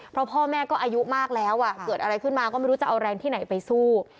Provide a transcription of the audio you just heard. เพราะพ่อแม่ก็อายุมากแล้วเกิดอะไรขึ้นมาก็ไม่รู้จะเอาแรงที่ไหนไปสู้